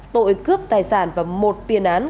tội cướp tài sản và một tiền án